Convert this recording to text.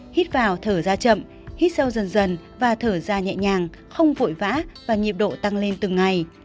hít vào thở ra chậm hít sâu dần dần và thở ra nhẹ nhàng không vội vã và nhịp độ tăng lên từng ngày